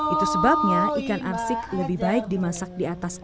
itu sebabnya ikan arsik lebih baik dimasak di atas